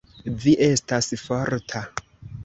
Vi estas forta.